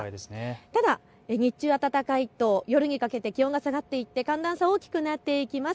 ただ日中暖かいと夜にかけて気温が下がっていって寒暖差大きくなっていきます。